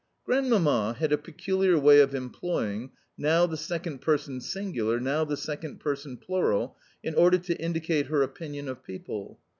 Grandmamma had a peculiar way of employing, now the second person singular, now the second person plural, in order to indicate her opinion of people.